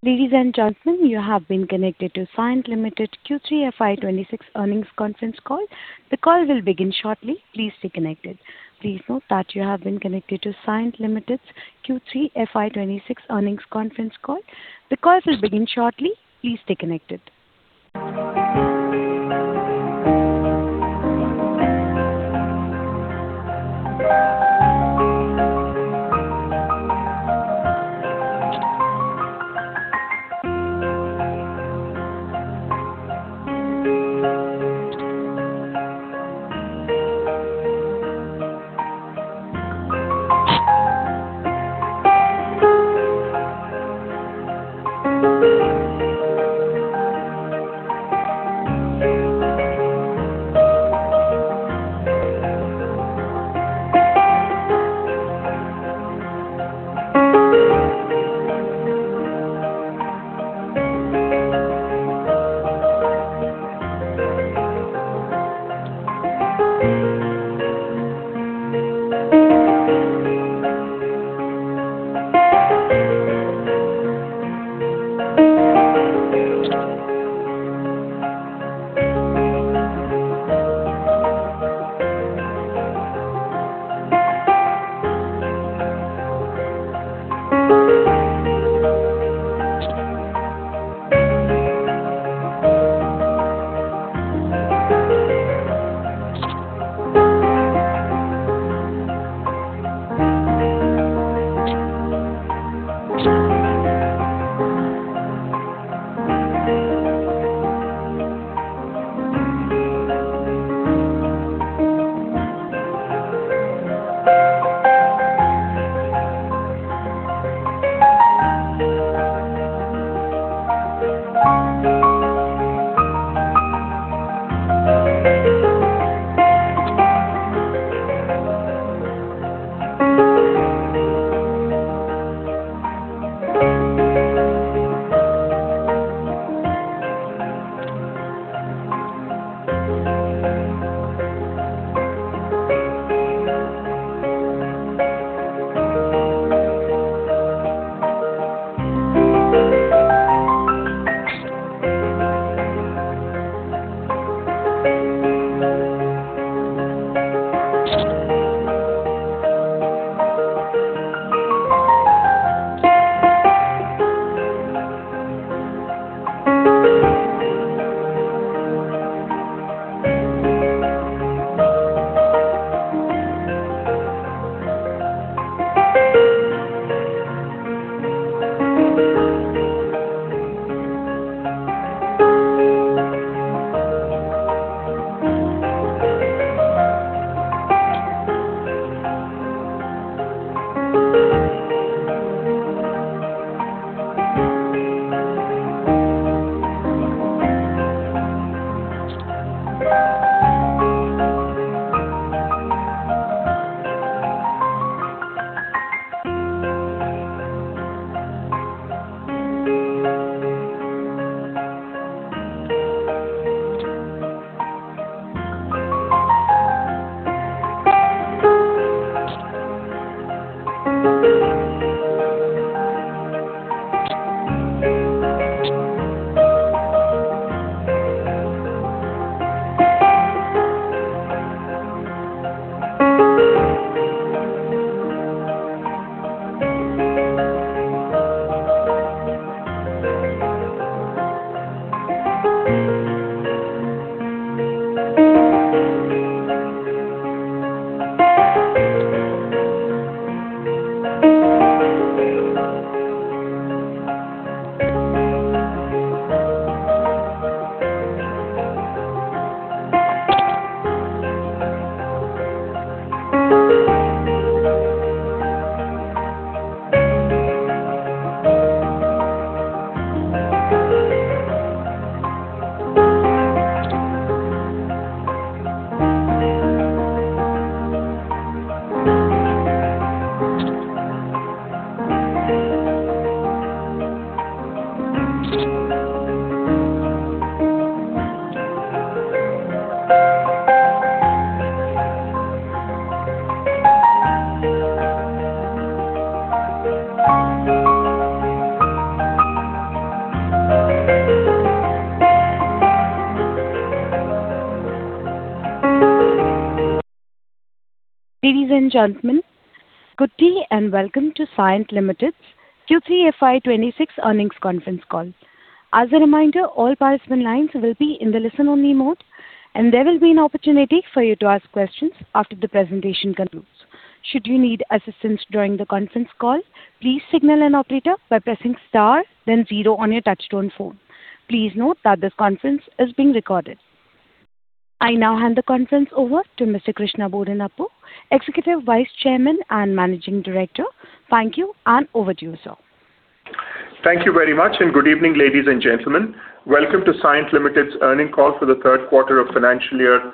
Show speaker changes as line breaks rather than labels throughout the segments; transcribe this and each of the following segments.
Ladies and gentlemen, you have been connected to Cyient Limited Q3 FY 2026 earnings conference call. The call will begin shortly. Please stay connected. Ladies and gentlemen, good day and welcome to Cyient Limited Q3 FY 2026 earnings conference call. As a reminder, all participant lines will be in the listen-only mode, and there will be an opportunity for you to ask questions after the presentation concludes. Should you need assistance during the conference call, please signal an operator by pressing star, then zero on your touch-tone phone. Please note that this conference is being recorded. I now hand the conference over to Mr. Krishna Bodanapu, Executive Vice Chairman and Managing Director. Thank you, and over to you, sir.
Thank you very much, and good evening, ladies and gentlemen. Welcome to Cyient Limited's earnings call for the third quarter of financial year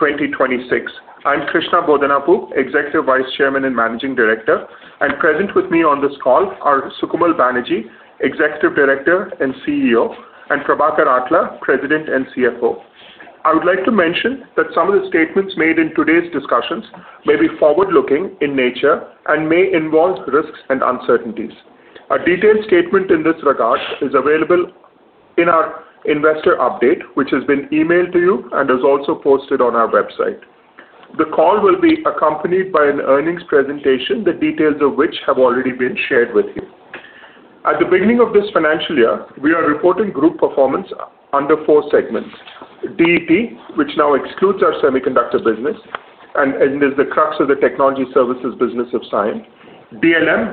2026. I'm Krishna Bodanapu, Executive Vice Chairman and Managing Director, and present with me on this call are Sukamal Banerjee, Executive Director and CEO, and Prabhakar Atla, President and CFO. I would like to mention that some of the statements made in today's discussions may be forward-looking in nature and may involve risks and uncertainties. A detailed statement in this regard is available in our investor update, which has been emailed to you and is also posted on our website. The call will be accompanied by an earnings presentation, the details of which have already been shared with you. At the beginning of this financial year, we are reporting group performance under four segments: DET, which now excludes our semiconductor business, and it is the crux of the technology services business of Cyient; DLM,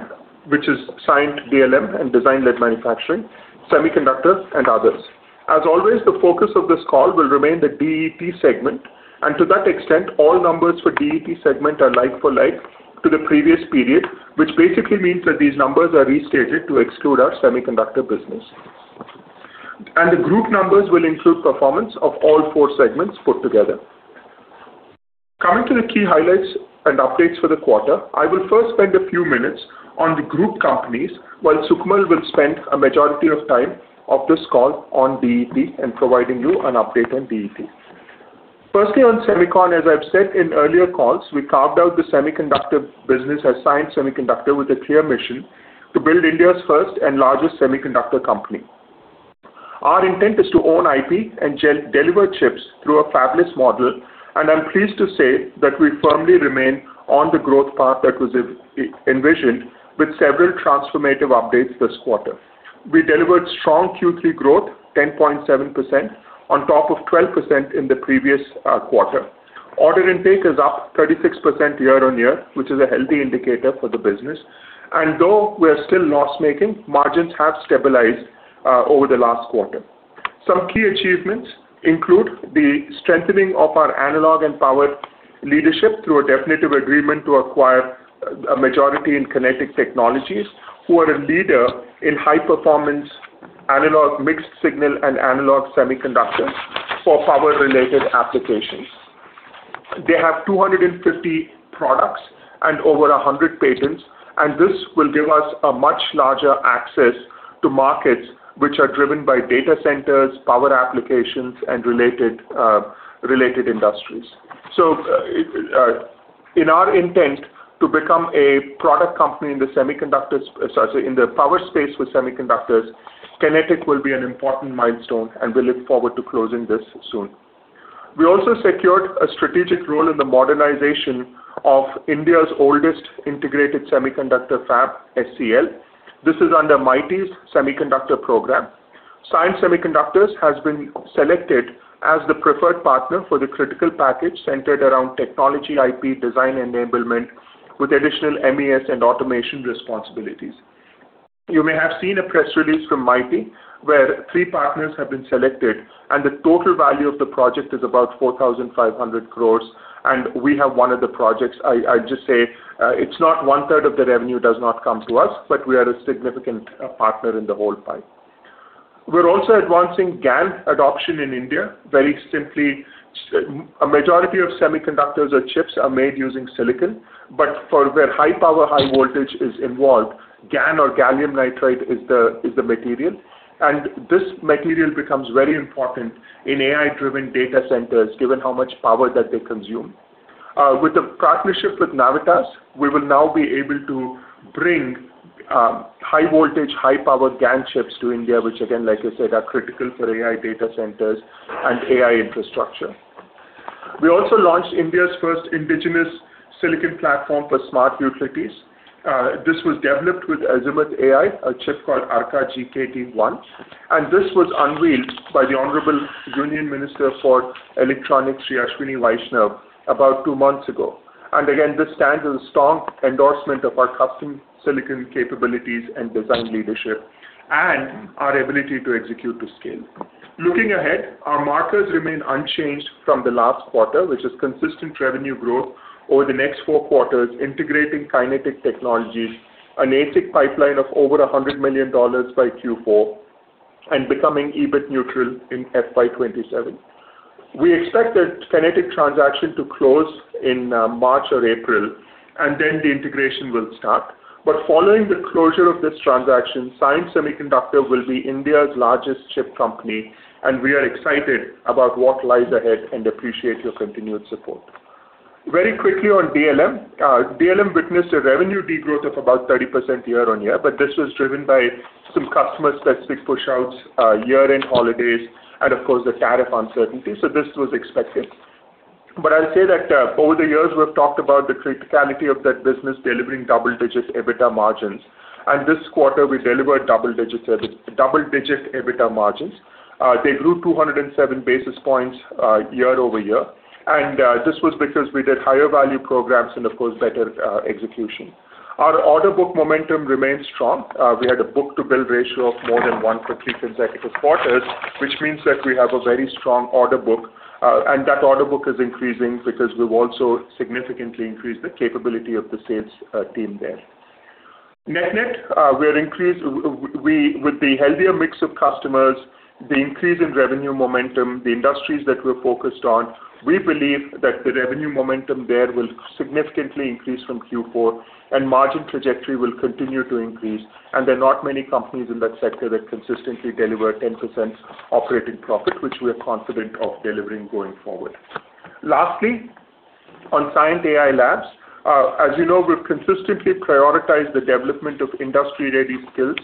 which is Cyient DLM and design-led manufacturing; semiconductors; and others. As always, the focus of this call will remain the DET segment, and to that extent, all numbers for DET segment are like for like to the previous period, which basically means that these numbers are restated to exclude our semiconductor business, and the group numbers will include performance of all four segments put together. Coming to the key highlights and updates for the quarter, I will first spend a few minutes on the group companies, while Sukamal will spend a majority of time of this call on DET and providing you an update on DET. Firstly, on Semicon, as I've said in earlier calls, we carved out the semiconductor business as Cyient Semiconductor with a clear mission to build India's first and largest semiconductor company. Our intent is to own IP and deliver chips through a fabless model, and I'm pleased to say that we firmly remain on the growth path that was envisioned with several transformative updates this quarter. We delivered strong Q3 growth, 10.7%, on top of 12% in the previous quarter. Order intake is up 36% year on year, which is a healthy indicator for the business, and though we are still loss-making, margins have stabilized over the last quarter. Some key achievements include the strengthening of our analog and power leadership through a definitive agreement to acquire a majority in Kinetic Technologies, who are a leader in high-performance analog mixed signal and analog semiconductors for power-related applications. They have 250 products and over 100 patents, and this will give us a much larger access to markets which are driven by data centers, power applications, and related industries, so in our intent to become a product company in the semiconductor, sorry, in the power space for semiconductors, Kinetic will be an important milestone, and we look forward to closing this soon. We also secured a strategic role in the modernization of India's oldest integrated semiconductor fab, SCL. This is under MeitY's semiconductor program. Cyient Semiconductor has been selected as the preferred partner for the critical package centered around technology, IP, design enablement, with additional MES and automation responsibilities. You may have seen a press release from MeitY where three partners have been selected, and the total value of the project is about 4,500 crores, and we have one of the projects. I'd just say it's not 1/3 of the revenue does not come to us, but we are a significant partner in the whole pipe. We're also advancing GaN adoption in India. Very simply, a majority of semiconductors or chips are made using silicon, but for where high-power, high-voltage is involved, GaN or gallium nitride is the material, and this material becomes very important in AI-driven data centers, given how much power that they consume. With the partnership with Navitas, we will now be able to bring high-voltage, high-power GaN chips to India, which, again, like I said, are critical for AI data centers and AI infrastructure. We also launched India's first indigenous silicon platform for smart utilities. This was developed with Azimuth AI, a chip called ARKA GKT-1, and this was unveiled by the Honorable Union Minister for Electronics, Sri Ashwini Vaishnaw, about two months ago. And again, this stands as a strong endorsement of our custom silicon capabilities and design leadership and our ability to execute to scale. Looking ahead, our markers remain unchanged from the last quarter, which is consistent revenue growth over the next four quarters, integrating Kinetic Technologies, an ASIC pipeline of over $100 million by Q4, and becoming EBIT neutral in FY 2027. We expect that Kinetic transaction to close in March or April, and then the integration will start. But following the closure of this transaction, Cyient Semiconductor will be India's largest chip company, and we are excited about what lies ahead and appreciate your continued support. Very quickly on DLM, DLM witnessed a revenue degrowth of about 30% year on year, but this was driven by some customer-specific push-outs, year-end holidays, and of course, the tariff uncertainty, so this was expected. I'll say that over the years, we've talked about the criticality of that business delivering double-digit EBITDA margins, and this quarter, we delivered double-digit EBITDA margins. They grew 207 basis points year over year, and this was because we did higher-value programs and, of course, better execution. Our order book momentum remains strong. We had a book-to-bill ratio of more than one for three consecutive quarters, which means that we have a very strong order book, and that order book is increasing because we've also significantly increased the capability of the sales team there. Net net, we're pleased with the healthier mix of customers, the increase in revenue momentum, the industries that we're focused on. We believe that the revenue momentum there will significantly increase from Q4, and margin trajectory will continue to increase, and there are not many companies in that sector that consistently deliver 10% operating profit, which we are confident of delivering going forward. Lastly, on Cyient AI Labs, as you know, we've consistently prioritized the development of industry-ready skills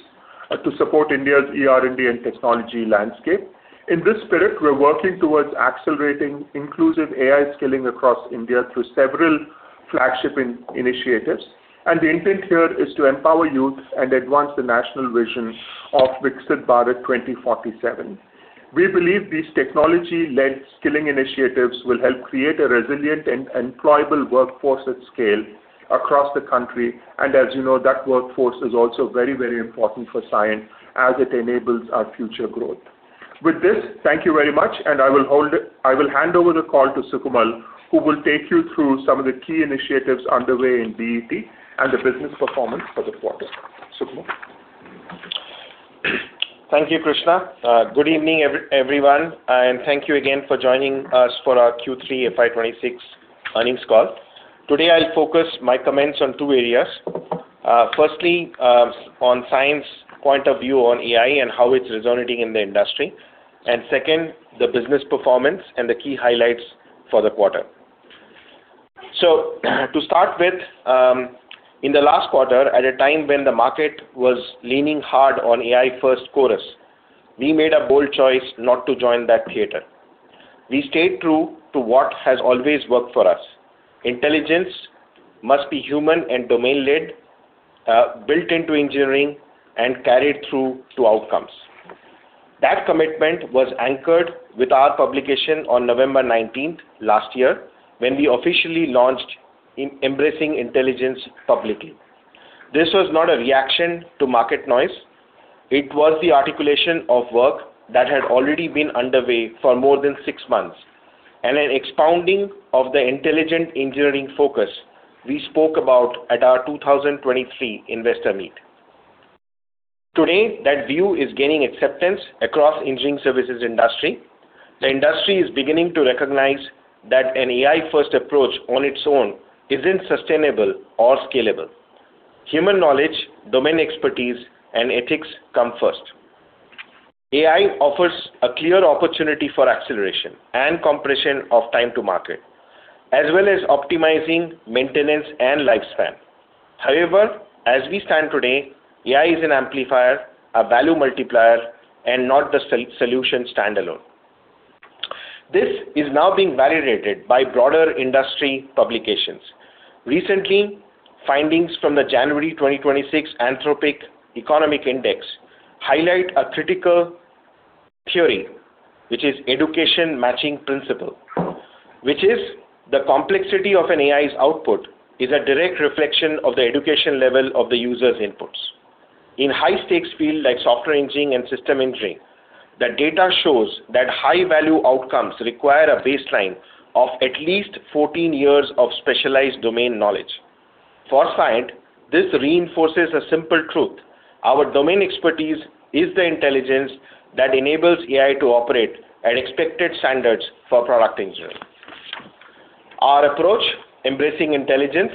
to support India's ER&D and technology landscape. In this spirit, we're working towards accelerating inclusive AI skilling across India through several flagship initiatives, and the intent here is to empower youth and advance the national vision of Viksit Bharat 2047. We believe these technology-led skilling initiatives will help create a resilient and employable workforce at scale across the country, and as you know, that workforce is also very, very important for Cyient as it enables our future growth. With this, thank you very much, and I will hand over the call to Sukamal, who will take you through some of the key initiatives underway in DET and the business performance for the quarter. Sukamal.
Thank you, Krishna. Good evening, everyone, and thank you again for joining us for our Q3 FY 2026 earnings call. Today, I'll focus my comments on two areas. Firstly, on Cyient's point of view on AI and how it's resonating in the industry, and second, the business performance and the key highlights for the quarter. So to start with, in the last quarter, at a time when the market was leaning hard on AI-first chorus, we made a bold choice not to join that theater. We stayed true to what has always worked for us: intelligence must be human and domain-led, built into engineering, and carried through to outcomes. That commitment was anchored with our publication on November 19th last year when we officially launched Embracing Intelligence publicly. This was not a reaction to market noise. It was the articulation of work that had already been underway for more than six months, and an expounding of the intelligent engineering focus we spoke about at our 2023 Investor Meet. Today, that view is gaining acceptance across the engineering services industry. The industry is beginning to recognize that an AI-first approach on its own isn't sustainable or scalable. Human knowledge, domain expertise, and ethics come first. AI offers a clear opportunity for acceleration and compression of time to market, as well as optimizing maintenance and lifespan. However, as we stand today, AI is an amplifier, a value multiplier, and not the solution standalone. This is now being validated by broader industry publications. Recently, findings from the January 2026 Anthropic Economic Index highlight a critical theory, which is education matching principle, which is the complexity of an AI's output is a direct reflection of the education level of the user's inputs. In high-stakes fields like software engineering and system engineering, the data shows that high-value outcomes require a baseline of at least 14 years of specialized domain knowledge. For Cyient, this reinforces a simple truth: our domain expertise is the intelligence that enables AI to operate at expected standards for product engineering. Our approach, Embracing Intelligence,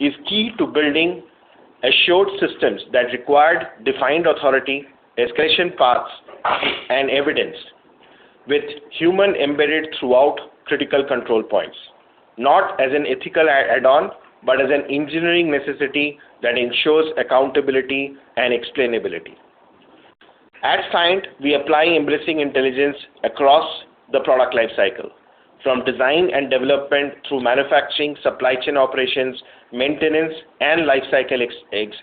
is key to building assured systems that require defined authority, escalation paths, and evidence, with human embedded throughout critical control points, not as an ethical add-on, but as an engineering necessity that ensures accountability and explainability. At Cyient, we apply Embracing Intelligence across the product lifecycle, from design and development through manufacturing, supply chain operations, maintenance, and lifecycle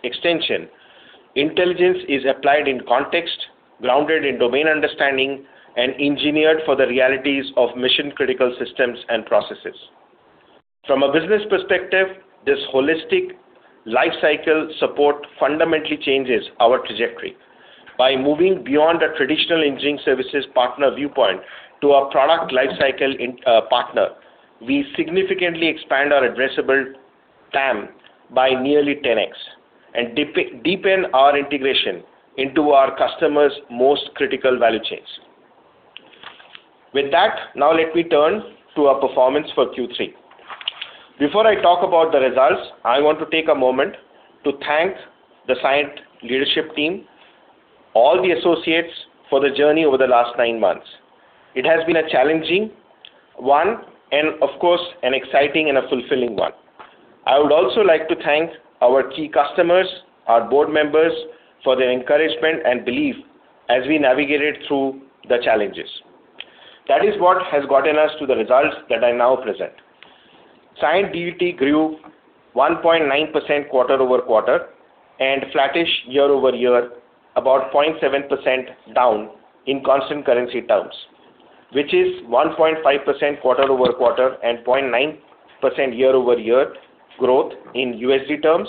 extension. Intelligence is applied in context, grounded in domain understanding, and engineered for the realities of mission-critical systems and processes. From a business perspective, this holistic lifecycle support fundamentally changes our trajectory. By moving beyond a traditional engineering services partner viewpoint to a product lifecycle partner, we significantly expand our addressable time by nearly 10x and deepen our integration into our customers' most critical value chains. With that, now let me turn to our performance for Q3. Before I talk about the results, I want to take a moment to thank the Cyient leadership team, all the associates for the journey over the last nine months. It has been a challenging one, and of course, an exciting and a fulfilling one. I would also like to thank our key customers, our board members, for their encouragement and belief as we navigated through the challenges. That is what has gotten us to the results that I now present. Cyient DET grew 1.9% quarter over quarter and flattish year over year, about 0.7% down in constant currency terms, which is 1.5% quarter over quarter and 0.9% year over year growth in USD terms,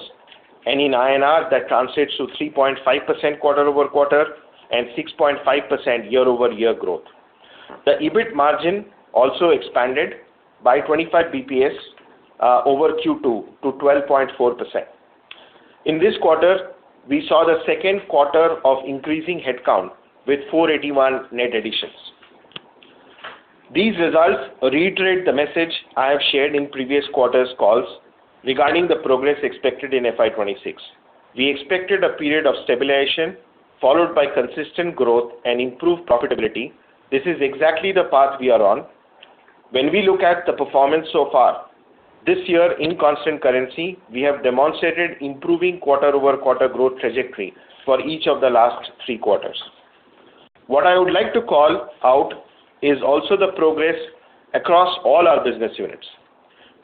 and in INR, that translates to 3.5% quarter over quarter and 6.5% year over year growth. The EBIT margin also expanded by 25 bps over Q2 to 12.4%. In this quarter, we saw the second quarter of increasing headcount with 481 net additions. These results reiterate the message I have shared in previous quarter's calls regarding the progress expected in FY 2026. We expected a period of stabilization followed by consistent growth and improved profitability. This is exactly the path we are on. When we look at the performance so far, this year in constant currency, we have demonstrated improving quarter over quarter growth trajectory for each of the last three quarters. What I would like to call out is also the progress across all our business units.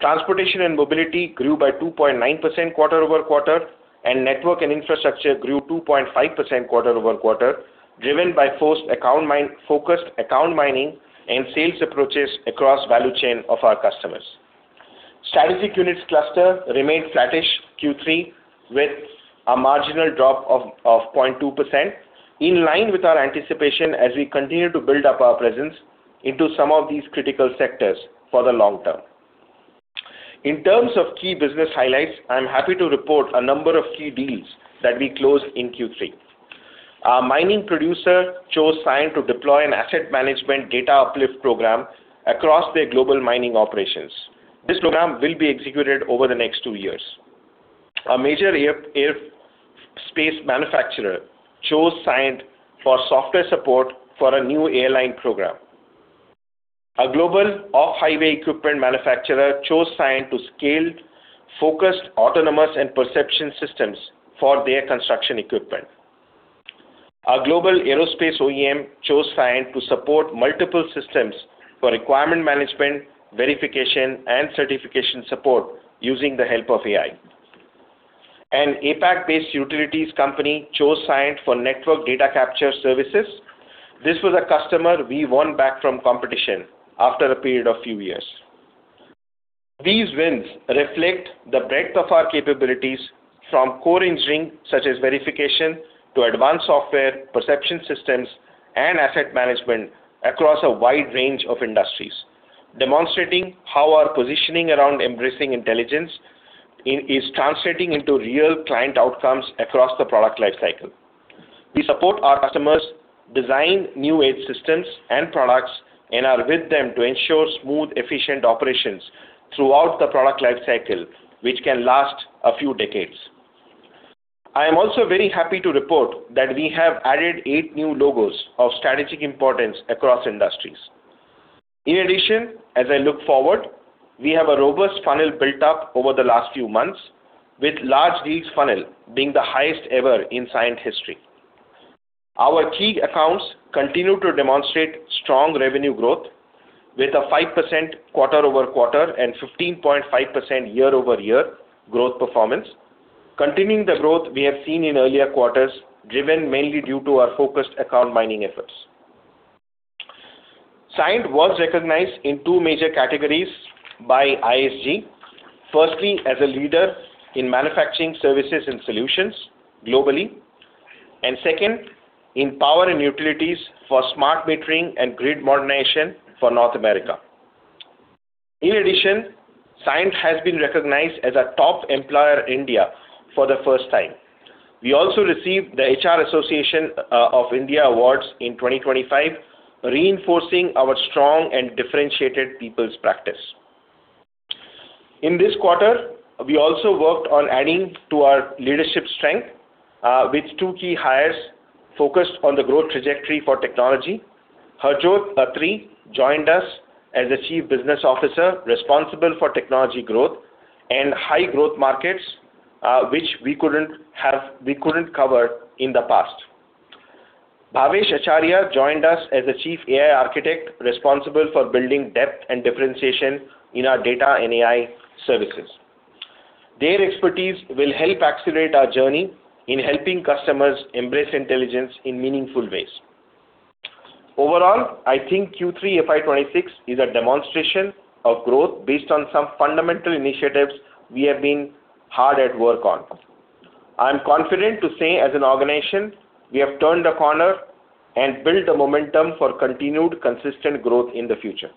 Transportation and mobility grew by 2.9% quarter over quarter, and network and infrastructure grew 2.5% quarter over quarter, driven by focused account mining and sales approaches across the value chain of our customers. Strategic units cluster remained flattish Q3 with a marginal drop of 0.2%, in line with our anticipation as we continue to build up our presence into some of these critical sectors for the long term. In terms of key business highlights, I'm happy to report a number of key deals that we closed in Q3. Our mining producer chose Cyient to deploy an asset management data uplift program across their global mining operations. This program will be executed over the next two years. A major aerospace manufacturer chose Cyient for software support for a new airline program. A global off-highway equipment manufacturer chose Cyient to scale focused autonomous and perception systems for their construction equipment. Our global aerospace OEM chose Cyient to support multiple systems for requirement management, verification, and certification support using the help of AI. An APAC-based utilities company chose Cyient for network data capture services. This was a customer we won back from competition after a period of a few years. These wins reflect the breadth of our capabilities from core engineering, such as verification, to advanced software, perception systems, and asset management across a wide range of industries, demonstrating how our positioning around Embracing Intelligence is translating into real client outcomes across the product lifecycle. We support our customers' design, new-age systems, and products, and are with them to ensure smooth, efficient operations throughout the product lifecycle, which can last a few decades. I am also very happy to report that we have added eight new logos of strategic importance across industries. In addition, as I look forward, we have a robust funnel built up over the last few months, with large deals funnel being the highest ever in Cyient history. Our key accounts continue to demonstrate strong revenue growth with a 5% quarter over quarter and 15.5% year over year growth performance, continuing the growth we have seen in earlier quarters, driven mainly due to our focused account mining efforts. Cyient was recognized in two major categories by ISG, firstly as a leader in manufacturing services and solutions globally, and second, in power and utilities for smart metering and grid modernization for North America. In addition, Cyient has been recognized as a top employer in India for the first time. We also received the HR Association of India Awards in 2025, reinforcing our strong and differentiated people's practice. In this quarter, we also worked on adding to our leadership strength with two key hires focused on the growth trajectory for technology. Harjott Atrii joined us as Chief Business Officer responsible for technology growth and high-growth markets, which we couldn't have covered in the past. Bhavesh Acharya joined us as Chief AI Architect responsible for building depth and differentiation in our data and AI services. Their expertise will help accelerate our journey in helping customers embrace intelligence in meaningful ways. Overall, I think Q3 FY 2026 is a demonstration of growth based on some fundamental initiatives we have been hard at work on. I'm confident to say, as an organization, we have turned a corner and built a momentum for continued consistent growth in the future.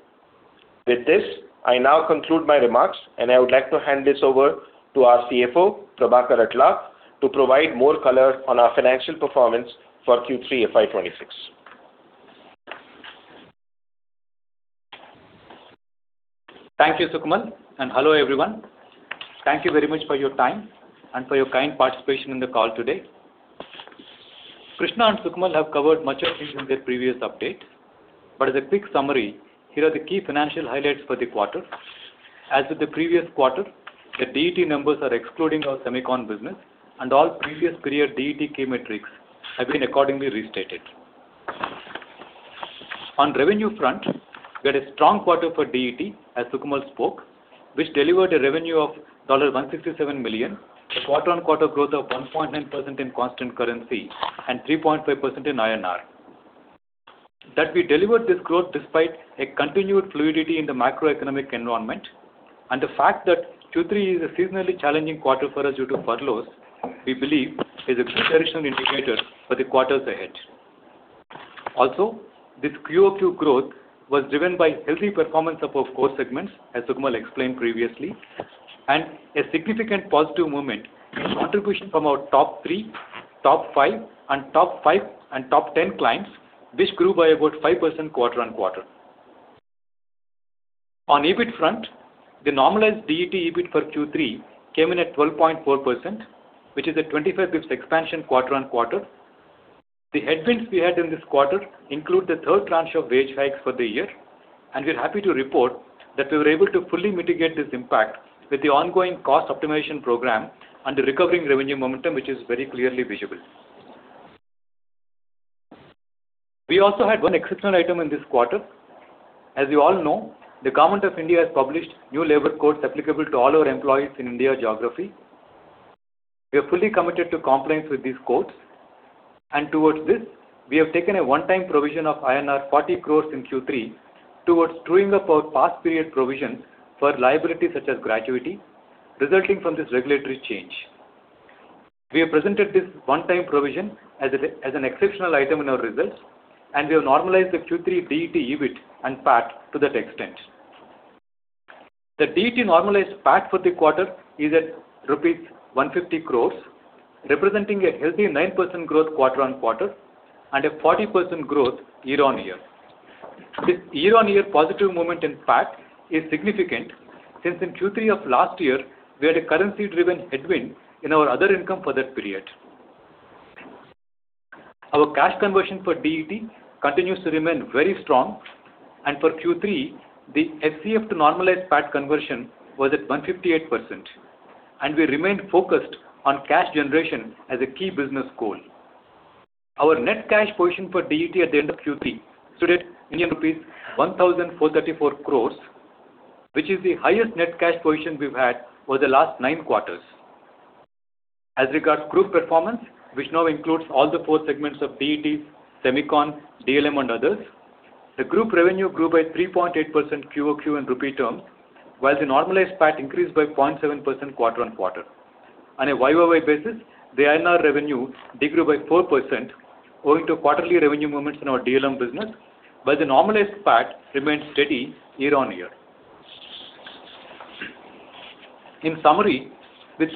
With this, I now conclude my remarks, and I would like to hand this over to our CFO, Prabhakar Atla, to provide more color on our financial performance for Q3 FY 2026.
Thank you, Sukamal. Hello, everyone. Thank you very much for your time and for your kind participation in the call today. Krishna and Sukamal have covered much of it in their previous update. But as a quick summary, here are the key financial highlights for the quarter. As with the previous quarter, the DET numbers are excluding our semiconductor business, and all previous period DET key metrics have been accordingly restated. On the revenue front, we had a strong quarter for DET, as Sukamal spoke, which delivered a revenue of $167 million, a quarter-on-quarter growth of 1.9% in constant currency and 3.5% in INR. That we delivered this growth despite a continued fluidity in the macroeconomic environment and the fact that Q3 is a seasonally challenging quarter for us due to furloughs, we believe, is a good additional indicator for the quarters ahead. Also, this QOQ growth was driven by healthy performance of our core segments, as Sukamal explained previously, and a significant positive movement in contribution from our top three, top five, and top ten clients, which grew by about 5% quarter-on-quarter. On the EBIT front, the normalized DET EBIT for Q3 came in at 12.4%, which is a 25 basis points expansion quarter-on-quarter. The headwinds we had in this quarter include the third tranche of wage hikes for the year, and we're happy to report that we were able to fully mitigate this impact with the ongoing cost optimization program and the recovering revenue momentum, which is very clearly visible. We also had one exceptional item in this quarter. As you all know, the Government of India has published new labor codes applicable to all our employees in India geography. We are fully committed to compliance with these codes, and towards this, we have taken a one-time provision of INR 40 crores in Q3 towards truing up our past-period provision for liabilities such as gratuity resulting from this regulatory change. We have presented this one-time provision as an exceptional item in our results, and we have normalized the Q3 DET EBIT and PAT to that extent. The DET normalized PAT for the quarter is at rupees 150 crores, representing a healthy 9% growth quarter-on-quarter and a 40% growth year-on-year. This year-on-year positive movement in PAT is significant since in Q3 of last year, we had a currency-driven headwind in our other income for that period. Our cash conversion for DET continues to remain very strong, and for Q3, the FCF to normalized PAT conversion was at 158%, and we remained focused on cash generation as a key business goal. Our net cash position for DET at the end of Q3 stood at Indian rupees 1,434 crores, which is the highest net cash position we've had over the last nine quarters. As regards to group performance, which now includes all the four segments of DET, semiconductor, DLM, and others, the group revenue grew by 3.8% QOQ in Rupee terms, while the normalized PAT increased by 0.7% quarter-on-quarter. On a YoY basis, the INR revenue did grow by 4% owing to quarterly revenue movements in our DLM business, but the normalized PAT remained steady year-on-year. In summary, with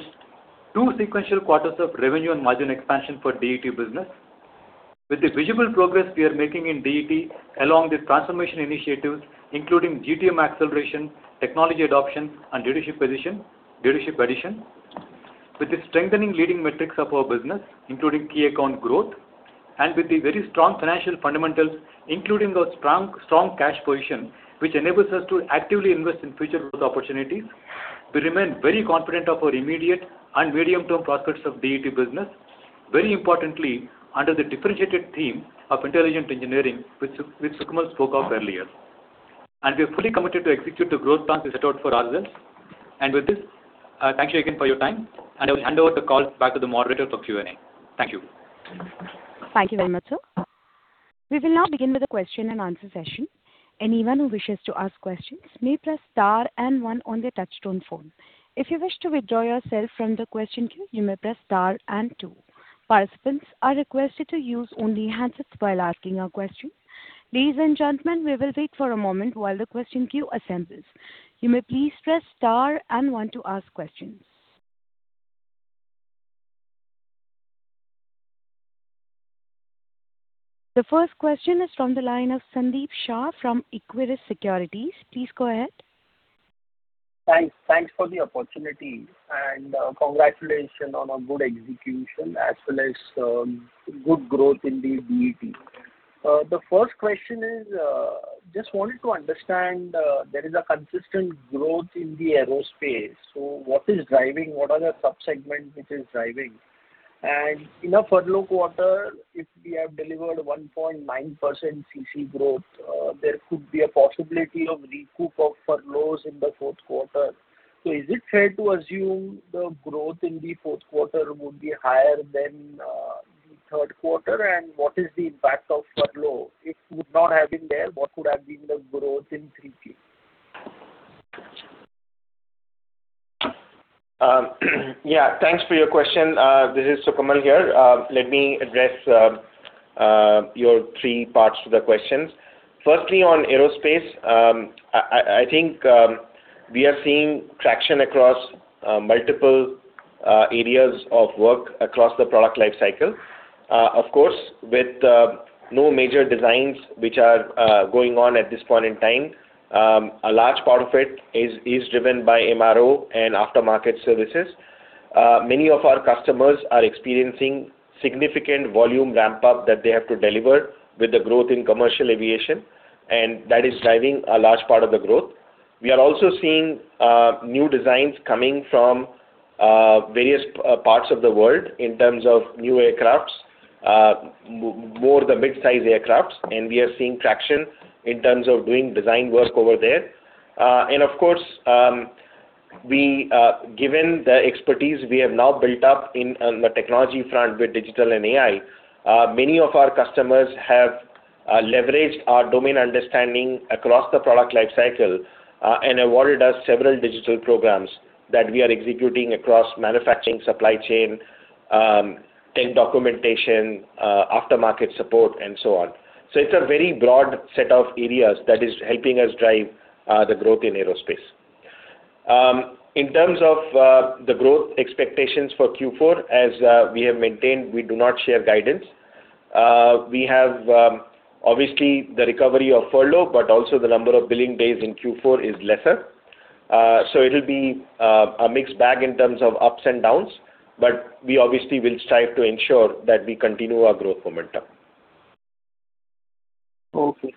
two sequential quarters of revenue and margin expansion for DET business, with the visible progress we are making in DET along the transformation initiatives, including GTM acceleration, technology adoption, and leadership position, leadership addition, with the strengthening leading metrics of our business, including key account growth, and with the very strong financial fundamentals, including our strong cash position, which enables us to actively invest in future growth opportunities, we remain very confident of our immediate and medium-term prospects of DET business, very importantly under the differentiated theme of intelligent engineering, which Sukamal spoke of earlier. And we are fully committed to execute the growth plans we set out for ourselves. And with this, thank you again for your time, and I will hand over the call back to the moderator for Q&A. Thank you.
Thank you very much, sir. We will now begin with a question-and-answer session. Anyone who wishes to ask questions may press star and one on their touch-tone phone. If you wish to withdraw yourself from the question queue, you may press star and two. Participants are requested to use only handsets while asking a question. Ladies and gentlemen, we will wait for a moment while the question queue assembles. You may please press star and one to ask questions. The first question is from the line of Sandeep Shah from Equirus Securities. Please go ahead.
Thanks. Thanks for the opportunity, and congratulations on a good execution as well as good growth in the DET. The first question is, just wanted to understand, there is a consistent growth in the aerospace. So what is driving? What are the subsegments which are driving? And in a furlough quarter, if we have delivered 1.9% CC growth, there could be a possibility of recoup of furloughs in the fourth quarter. So is it fair to assume the growth in the fourth quarter would be higher than the third quarter? And what is the impact of furlough? If it would not have been there, what would have been the growth in Q3?
Yeah. Thanks for your question. This is Sukamal here. Let me address your three parts of the questions. Firstly, on aerospace, I think we are seeing traction across multiple areas of work across the product lifecycle. Of course, with no major designs which are going on at this point in time, a large part of it is driven by MRO and aftermarket services. Many of our customers are experiencing significant volume ramp-up that they have to deliver with the growth in commercial aviation, and that is driving a large part of the growth. We are also seeing new designs coming from various parts of the world in terms of new aircrafts, more of the mid-size aircraft, and we are seeing traction in terms of doing design work over there. And of course, given the expertise we have now built up in the technology front with digital and AI, many of our customers have leveraged our domain understanding across the product lifecycle and awarded us several digital programs that we are executing across manufacturing supply chain, tech documentation, aftermarket support, and so on. So it's a very broad set of areas that is helping us drive the growth in aerospace. In terms of the growth expectations for Q4, as we have maintained, we do not share guidance. We have, obviously, the recovery of furlough, but also the number of billing days in Q4 is lesser. So it'll be a mixed bag in terms of ups and downs, but we obviously will strive to ensure that we continue our growth momentum.
Okay.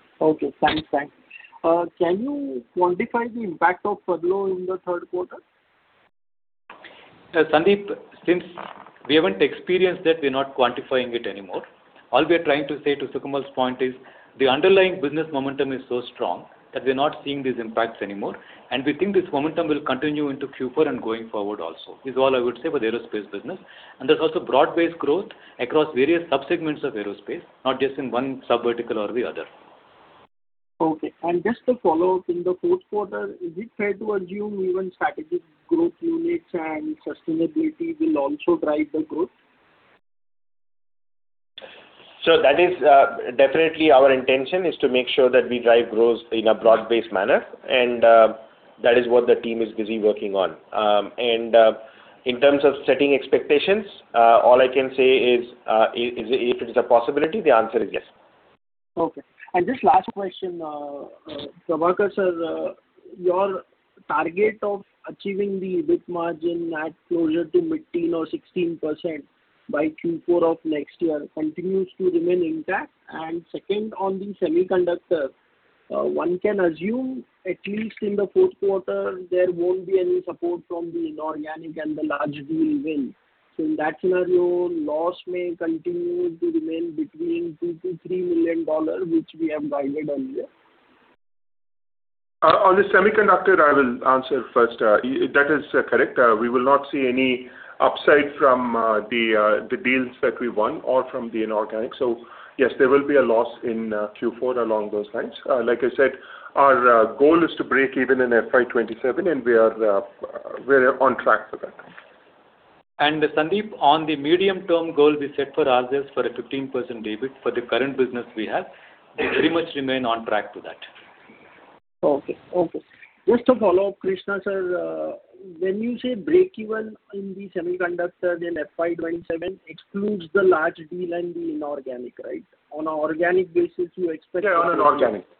Thanks. Can you quantify the impact of furlough in the third quarter?
Sandeep, since we haven't experienced that, we're not quantifying it anymore. All we are trying to say, to Sukamal's point, is the underlying business momentum is so strong that we're not seeing these impacts anymore, and we think this momentum will continue into Q4 and going forward also. This is all I would say for the aerospace business, and there's also broad-based growth across various subsegments of aerospace, not just in one sub-vertical or the other.
Okay. And just to follow up in the fourth quarter, is it fair to assume even strategic growth units and sustainability will also drive the growth?
So that is definitely our intention, is to make sure that we drive growth in a broad-based manner, and that is what the team is busy working on. And in terms of setting expectations, all I can say is, if it is a possibility, the answer is yes.
Okay. And just last question, Prabhakar sir, your target of achieving the EBIT margin at closer to 15% or 16% by Q4 of next year continues to remain intact. And second, on the semiconductor, one can assume at least in the fourth quarter, there won't be any support from the inorganic and the large deal win. So in that scenario, loss may continue to remain between $2 million to $3 million, which we have guided earlier.
On the semiconductor, I will answer first. That is correct. We will not see any upside from the deals that we won or from the inorganic. So yes, there will be a loss in Q4 along those lines. Like I said, our goal is to break even in FY 2027, and we are on track for that.
And Sandeep, on the medium-term goal we set for ourselves for a 15% EBIT for the current business we have, we very much remain on track to that.
Okay. Okay. Just to follow up, Krishna Sir, when you say break even in the semiconductor, then FY 2027 excludes the large deal and the inorganic, right? On an organic basis, you expect.
Yeah, on an organic basis.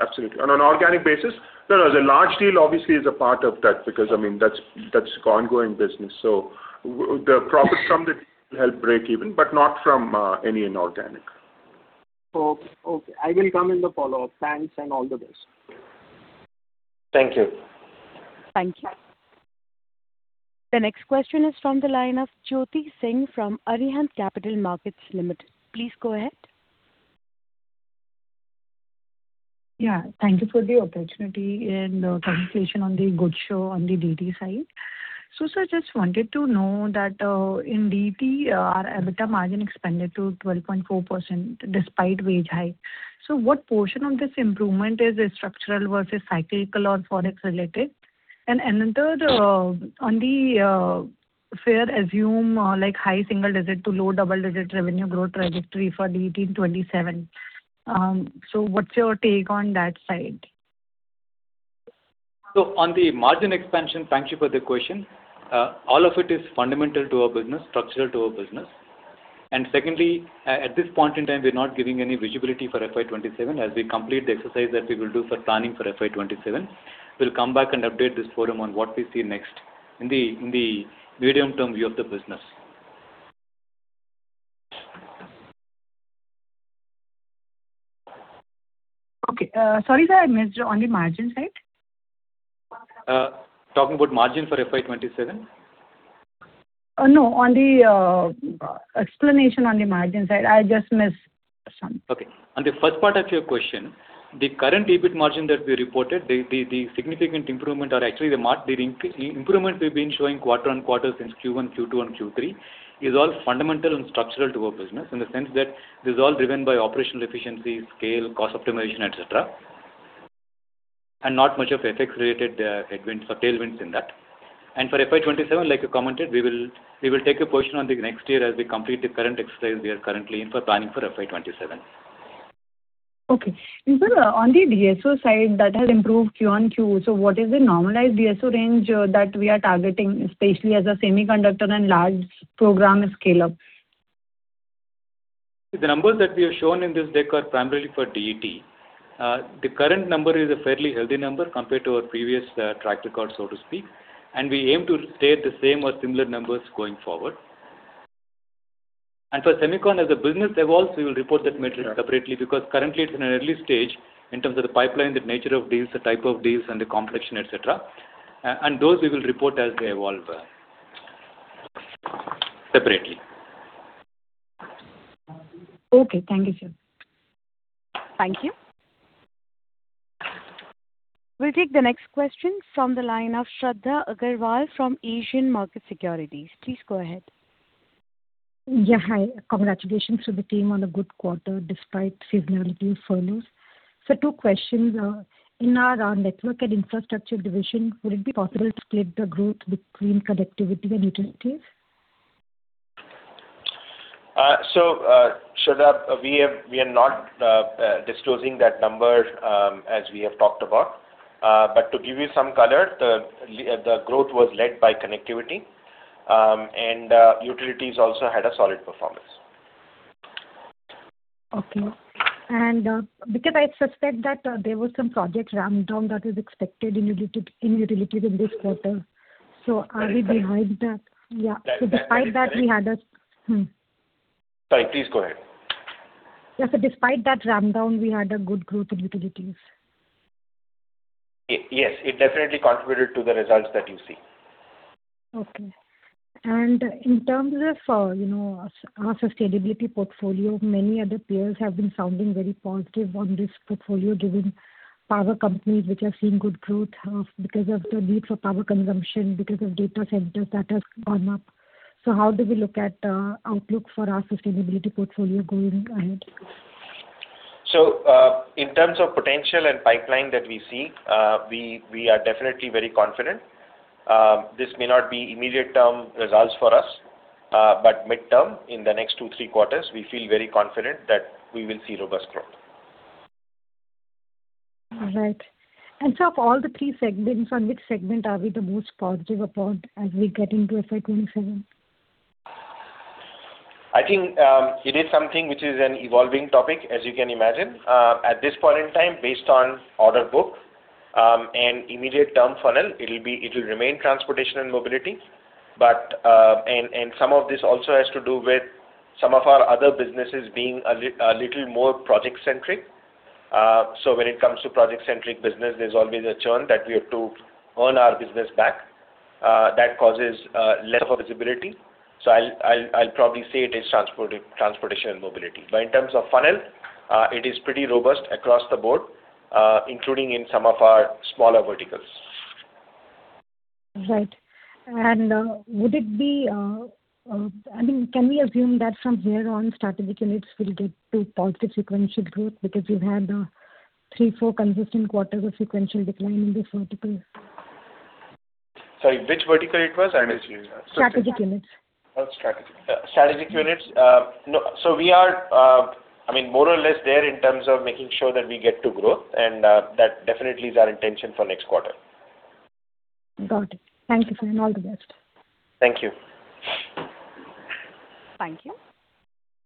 Absolutely. On an organic basis, no, no. The large deal obviously is a part of that because, I mean, that's ongoing business. So the profits from the deal help break even, but not from any inorganic.
Okay. I will come in the follow-up. Thanks and all the best.
Thank you.
Thank you. The next question is from the line of Jyoti Singh from Arihant Capital Markets Ltd. Please go ahead.
Yeah. Thank you for the opportunity and the conversation on the good growth on the DET side. So, sir, I just wanted to know that in DET, our EBITDA margin expanded to 12.4% despite wage hike. So what portion of this improvement is structural versus cyclical or forex-related? And on the fair assumption, like high single-digit to low double-digit revenue growth trajectory for DET in 2027, so what's your take on that side?
So on the margin expansion, thank you for the question. All of it is fundamental to our business, structural to our business. And secondly, at this point in time, we're not giving any visibility for FY 2027 as we complete the exercise that we will do for planning for FY 2027. We'll come back and update this forum on what we see next in the medium-term view of the business.
Okay. Sorry, sir, I missed you on the margin side.
Talking about margin for FY 20 2027?
No, on the explanation on the margin side, I just missed something.
Okay. On the first part of your question, the current EBIT margin that we reported, the significant improvement or actually the improvement we've been showing quarter-on-quarter since Q1, Q2, and Q3 is all fundamental and structural to our business in the sense that this is all driven by operational efficiency, scale, cost optimization, etc., and not much of FX-related headwinds or tailwinds in that. And for FY 2027, like I commented, we will take a position on the next year as we complete the current exercise we are currently in for planning for FY 2027.
Okay. Sir, on the DSO side, that has improved Q1, Q2. So what is the normalized DSO range that we are targeting, especially as a semiconductor and large program scale-up?
The numbers that we have shown in this deck are primarily for DET. The current number is a fairly healthy number compared to our previous track record, so to speak, and we aim to stay at the same or similar numbers going forward, and for semiconductor, as the business evolves, we will report that metric separately because currently, it's in an early stage in terms of the pipeline, the nature of deals, the type of deals, and the complexion, etc., and those we will report as they evolve separately.
Okay. Thank you, sir.
Thank you. We'll take the next question from the line of Shradha Agrawal from Asian Market Securities. Please go ahead.
Yeah. Hi. Congratulations to the team on a good quarter despite seasonality of furloughs. So two questions. In our network and infrastructure division, would it be possible to split the growth between connectivity and utilities?
So, Shradha, we are not disclosing that number as we have talked about. But to give you some color, the growth was led by connectivity, and utilities also had a solid performance.
Okay, and because I suspect that there was some project rundown that is expected in utilities in this quarter, so are we behind that? Yeah, so despite that, we had
Sorry, please go ahead.
Yeah, so despite that rundown, we had a good growth in utilities.
Yes. It definitely contributed to the results that you see.
Okay. And in terms of our sustainability portfolio, many other players have been sounding very positive on this portfolio given power companies which are seeing good growth because of the need for power consumption, because of data centers that have gone up. So how do we look at outlook for our sustainability portfolio going ahead?
So in terms of potential and pipeline that we see, we are definitely very confident. This may not be immediate-term results for us, but midterm, in the next two, three quarters, we feel very confident that we will see robust growth.
All right. And so of all the three segments, on which segment are we the most positive upon as we get into FY 2027?
I think it is something which is an evolving topic, as you can imagine. At this point in time, based on order book and immediate-term funnel, it will remain transportation and mobility. And some of this also has to do with some of our other businesses being a little more project-centric. So when it comes to project-centric business, there's always a churn that we have to earn our business back. That causes less of a visibility. So I'll probably say it is transportation and mobility. But in terms of funnel, it is pretty robust across the board, including in some of our smaller verticals.
All right. And would it be, I mean, can we assume that from here on, strategic units will get to positive sequential growth because you've had three, four consistent quarters of sequential decline in this vertical?
Sorry, which vertical it was? I missed you.
Strategic units.
Oh, strategic. Strategic units. So we are, I mean, more or less there in terms of making sure that we get to growth, and that definitely is our intention for next quarter.
Got it. Thank you, sir. And all the best.
Thank you.
Thank you.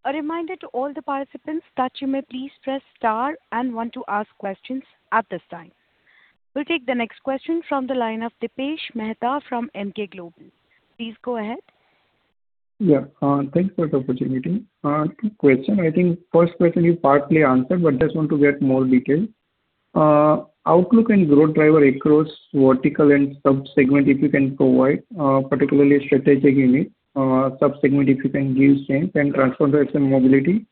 A reminder to all the participants that you may please press star and want to ask questions at this time. We'll take the next question from the line of Dipesh Mehta from Emkay Global. Please go ahead.
Yeah. Thanks for the opportunity. Two questions. I think first question you partly answered, but just want to get more detail. Outlook and growth driver across vertical and subsegment, if you can provide, particularly strategic unit, subsegment if you can give change and transformation mobility.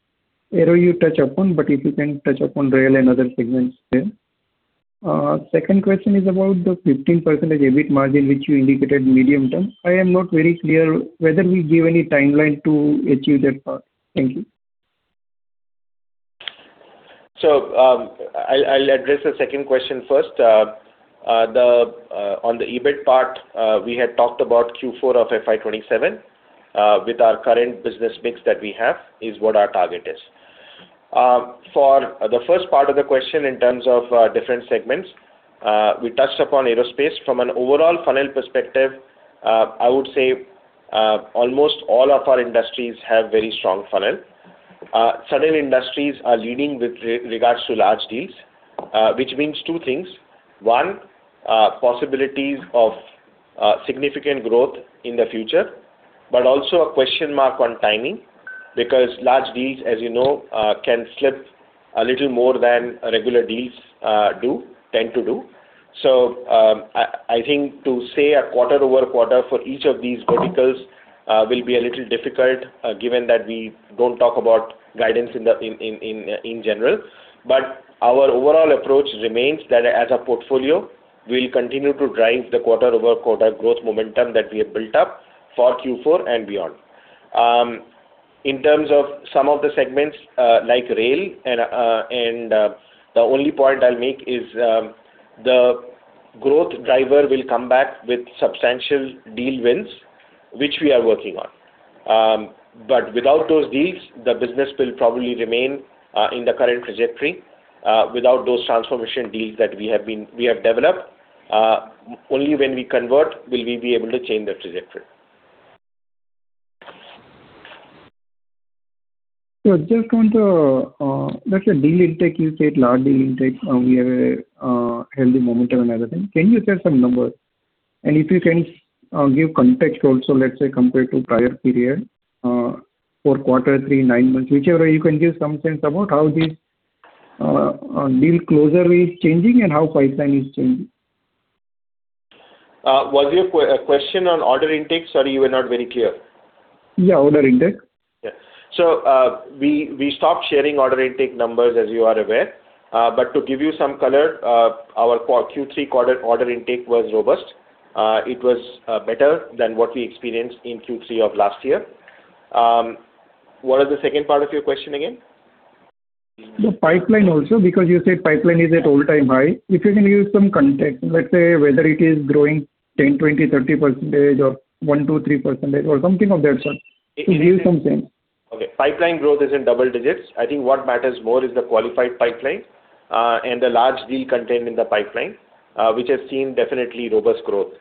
Earlier you touch upon, but if you can touch upon rail and other segments there. Second question is about the 15% EBIT margin which you indicated medium-term. I am not very clear whether we give any timeline to achieve that part. Thank you.
So I'll address the second question first. On the EBIT part, we had talked about Q4 of FY 2027 with our current business mix that we have is what our target is. For the first part of the question in terms of different segments, we touched upon aerospace. From an overall funnel perspective, I would say almost all of our industries have very strong funnel. Some industries are leading with regards to large deals, which means two things. One, possibilities of significant growth in the future, but also a question mark on timing because large deals, as you know, can slip a little more than regular deals tend to do. So I think to say a quarter over quarter for each of these verticals will be a little difficult given that we don't talk about guidance in general. But our overall approach remains that as a portfolio, we'll continue to drive the quarter-over-quarter growth momentum that we have built up for Q4 and beyond. In terms of some of the segments like rail, and the only point I'll make is the growth driver will come back with substantial deal wins, which we are working on. But without those deals, the business will probably remain in the current trajectory without those transformation deals that we have developed. Only when we convert will we be able to change the trajectory.
Let's say deal intake, you said large deal intake, we have a healthy momentum and everything. Can you share some numbers? And if you can give context also, let's say compared to prior period, four quarters, three, nine months, whichever way you can give some sense about how this deal closure is changing and how pipeline is changing.
Was your question on order intake? Sorry, you were not very clear.
Yeah, order intake.
Yeah. So we stopped sharing order intake numbers as you are aware. But to give you some color, our Q3 quarter order intake was robust. It was better than what we experienced in Q3 of last year. What is the second part of your question again?
The pipeline also, because you said pipeline is at all-time high. If you can give some context, let's say whether it is growing 10%, 20%, 30%, or 1%, 2%, 3%, or something of that sort, give some sense.
Okay. Pipeline growth is in double digits. I think what matters more is the qualified pipeline and the large deal content in the pipeline, which has seen definitely robust growth,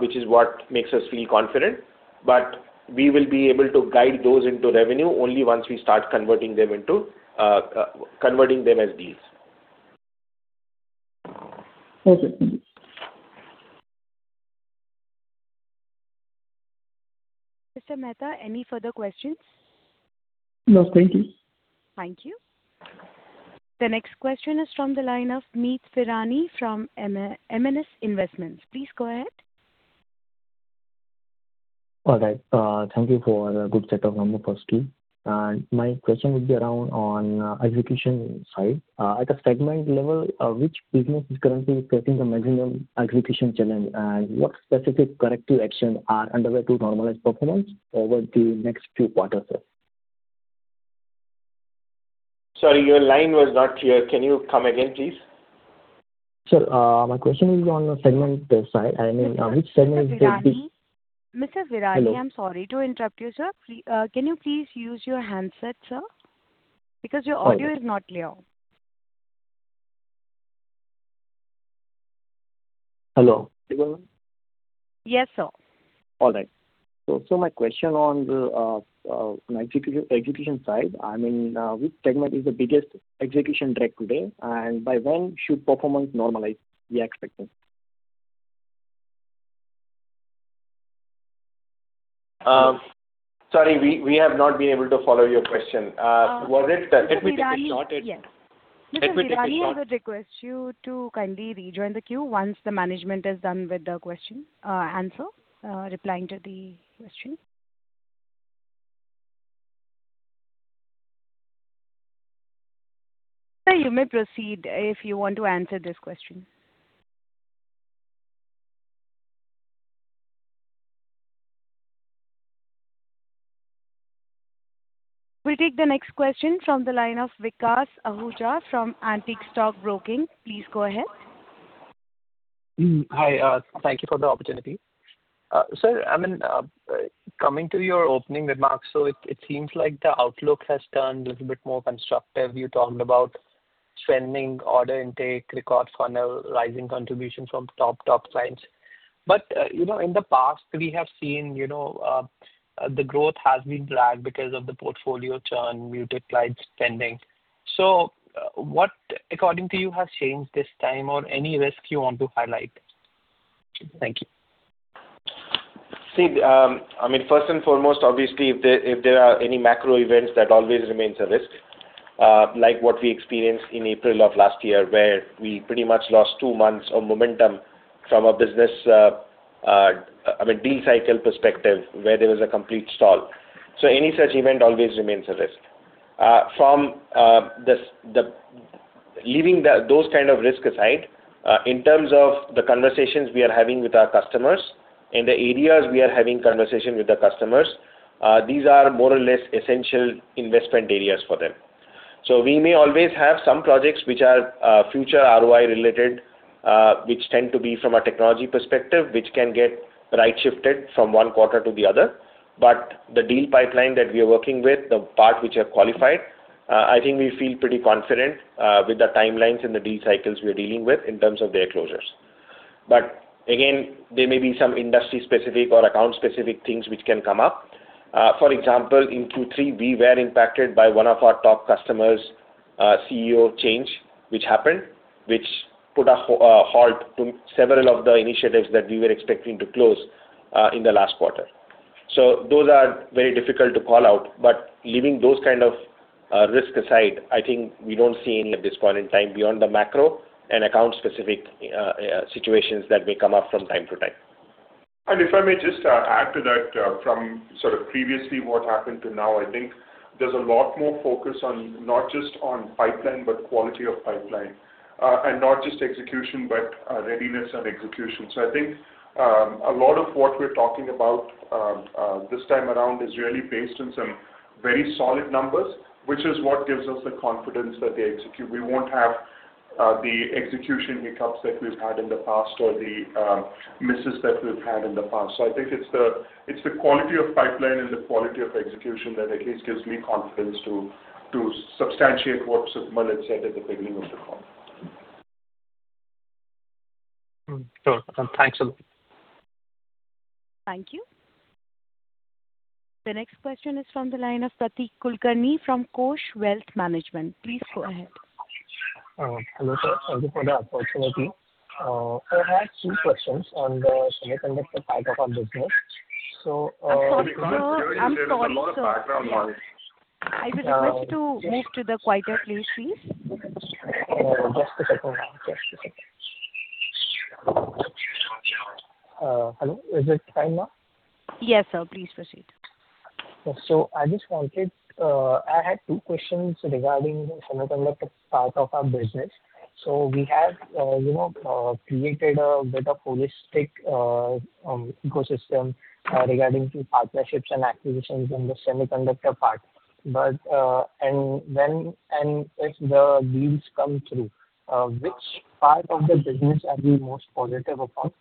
which is what makes us feel confident. But we will be able to guide those into revenue only once we start converting them as deals.
Okay. Thank you.
Mr. Mehta, any further questions?
No. Thank you.
Thank you. The next question is from the line of Meet Virani from MNS Investments. Please go ahead.
All right. Thank you for the good set of numbers, firstly, and my question would be around on execution side. At a segment level, which business is currently facing the maximum execution challenge, and what specific corrective actions are underway to normalize performance over the next few quarters?
Sorry, your line was not clear. Can you come again, please?
Sir, my question is on the segment side. I mean, which segment is the
Mr. Virani, I'm sorry to interrupt you, sir. Can you please use your handset, sir? Because your audio is not clear.
Hello?
Yes, sir.
All right, so my question on the execution side, I mean, which segment is the biggest execution drag today, and by when should performance normalize? We expect it.
Sorry, we have not been able to follow your question. Was it? Let me take a shot at.
Yes. Mr. Virani, I would request you to kindly rejoin the queue once the management is done with the answer replying to the question. Sir, you may proceed if you want to answer this question. We'll take the next question from the line of Vikas Ahuja from Antique Stock Broking. Please go ahead.
Hi. Thank you for the opportunity. Sir, I mean, coming to your opening remarks, so it seems like the outlook has turned a little bit more constructive. You talked about spending, order intake, record funnel, rising contribution from top clients. But in the past, we have seen the growth has been dragged because of the portfolio churn, muted client spending. So what, according to you, has changed this time or any risk you want to highlight? Thank you.
See, I mean, first and foremost, obviously, if there are any macro events, that always remains a risk, like what we experienced in April of last year where we pretty much lost two months of momentum from a business, I mean, deal cycle perspective where there was a complete stall. So any such event always remains a risk. Leaving those kind of risks aside, in terms of the conversations we are having with our customers and the areas we are having conversations with our customers, these are more or less essential investment areas for them. So we may always have some projects which are future ROI-related, which tend to be from a technology perspective, which can get right-shifted from one quarter to the other. But the deal pipeline that we are working with, the part which are qualified, I think we feel pretty confident with the timelines and the deal cycles we are dealing with in terms of their closures. But again, there may be some industry-specific or account-specific things which can come up. For example, in Q3, we were impacted by one of our top customers' CEO change, which happened, which put a halt to several of the initiatives that we were expecting to close in the last quarter. So those are very difficult to call out. But leaving those kind of risks aside, I think we don't see any at this point in time beyond the macro and account-specific situations that may come up from time to time.
And if I may just add to that, from sort of previously what happened to now, I think there's a lot more focus on not just on pipeline, but quality of pipeline, and not just execution, but readiness and execution. So I think a lot of what we're talking about this time around is really based on some very solid numbers, which is what gives us the confidence that they execute. We won't have the execution hiccups that we've had in the past or the misses that we've had in the past. So I think it's the quality of pipeline and the quality of execution that at least gives me confidence to substantiate what Sukamal had said at the beginning of the call.
Sure. Thanks a lot.
Thank you. The next question is from the line of Prateek Kulkarni from Kosh Wealth Management. Please go ahead.
Hello, sir. Thank you for the opportunity. I have two questions on the semiconductor part of our business. So.
I'm sorry for the lots of background noise. I would like you to move to the quieter place, please.
Just a second. Just a second. Hello? Is it fine now?
Yes, sir. Please proceed.
I had two questions regarding the semiconductor part of our business. We have created a bit of holistic ecosystem regarding partnerships and acquisitions in the semiconductor part. If the deals come through, which part of the business are you most positive about?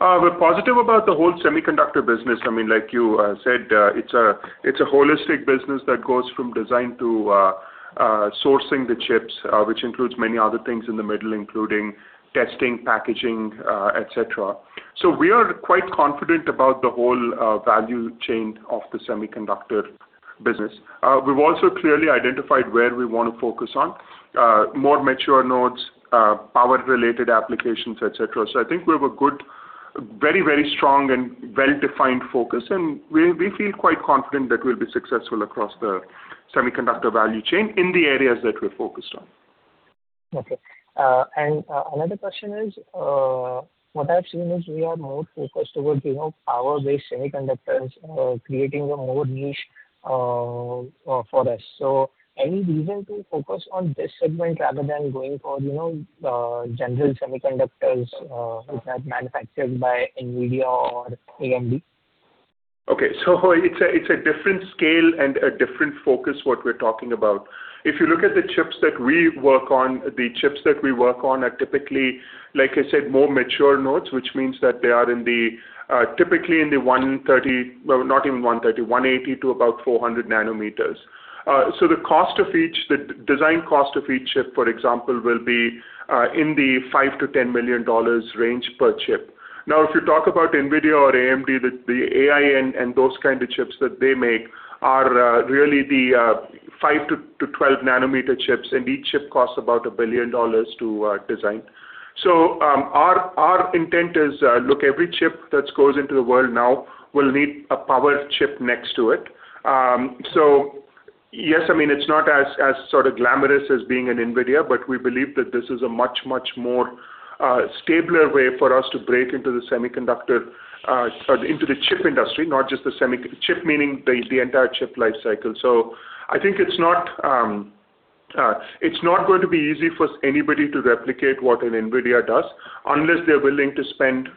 We're positive about the whole semiconductor business. I mean, like you said, it's a holistic business that goes from design to sourcing the chips, which includes many other things in the middle, including testing, packaging, etc. So we are quite confident about the whole value chain of the semiconductor business. We've also clearly identified where we want to focus on: more mature nodes, power-related applications, etc. So I think we have a good, very, very strong and well-defined focus, and we feel quite confident that we'll be successful across the semiconductor value chain in the areas that we're focused on.
Okay. And another question is, what I've seen is we are more focused toward power-based semiconductors, creating a more niche for us. So any reason to focus on this segment rather than going for general semiconductors that are manufactured by NVIDIA or AMD?
Okay. So it's a different scale and a different focus what we're talking about. If you look at the chips that we work on, the chips that we work on are typically, like I said, more mature nodes, which means that they are typically in the 130 - not even 130, 180 to about 400 nanometers. So the cost of each, the design cost of each chip, for example, will be in the $5 million-$10 million range per chip. Now, if you talk about NVIDIA or AMD, the AI and those kind of chips that they make are really the 5 nm-12 nm chips, and each chip costs about $1 billion to design. So our intent is, look, every chip that goes into the world now will need a power chip next to it. So yes, I mean, it's not as sort of glamorous as being an NVIDIA, but we believe that this is a much, much more stabler way for us to break into the semiconductor, into the chip industry, not just the semi, chip meaning the entire chip lifecycle. So I think it's not going to be easy for anybody to replicate what an NVIDIA does unless they're willing to spend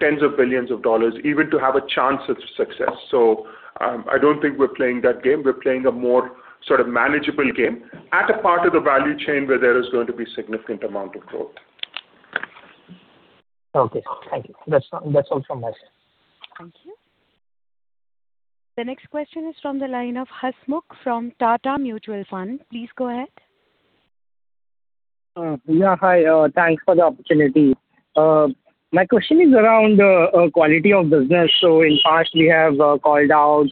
tens of billions of dollars even to have a chance of success. So I don't think we're playing that game. We're playing a more sort of manageable game at a part of the value chain where there is going to be a significant amount of growth.
Okay. Thank you. That's all from my side.
Thank you. The next question is from the line of Hasmukh from Tata Mutual Fund. Please go ahead.
Yeah. Hi. Thanks for the opportunity. My question is around quality of business. So in past, we have called out